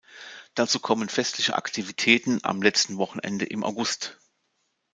Dazu kommen festliche Aktivitäten am letzten Wochenende im August.